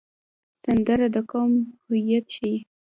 سندره د قوم هویت ښيي